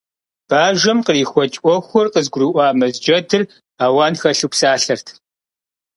Бажэм кърихуэкӀ Ӏуэхур къызыгурыӀуа Мэз джэдыр ауэн хэлъу псалъэрт.